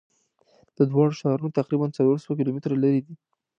دا دواړه ښارونه تقریبآ څلور سوه کیلومتره لری دي.